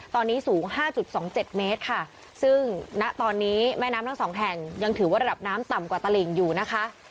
ตอนนี้สูง๕๒๗เมตรค่ะซึ่งณตอนนี้แม่น้ำทั้งสองแห่งยังถือว่าระดับน้ำต่ำกว่าตลิ่งอยู่นะคะ